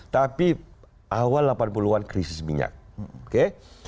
tapi awal delapan puluh an krisis minyak